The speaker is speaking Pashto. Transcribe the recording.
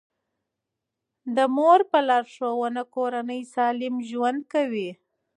د مور په لارښوونه کورنۍ سالم ژوند کوي.